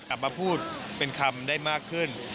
ออกมาพูดเป็นคำได้มากขึ้น